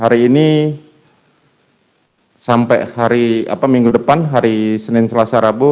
hari ini sampai hari minggu depan hari senin selasa rabu